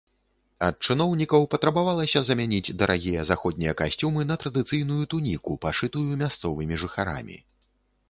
Ад чыноўнікаў патрабавалася замяніць дарагія заходнія касцюмы на традыцыйную туніку, пашытую мясцовымі жыхарамі.